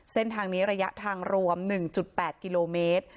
เส้นทางนี้ระยะทางรวม๑๘กิโลเมตร